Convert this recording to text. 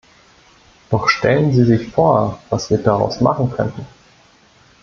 Doch stellen Sie sich vor, was wir daraus machen könnten!